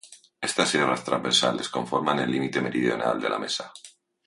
Estas sierras transversales conforman el límite meridional de la Mesa.